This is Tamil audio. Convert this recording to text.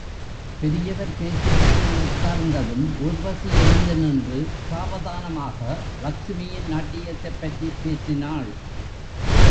பெரியவர் பேசிவிட்டு உட்கார்ந்ததும் ஊர்வசி எழுந்து நின்று, சாவதானமாக, லக்ஷ்மியின் நாட்டியத்தைப் பற்றிப் பேசினாள்.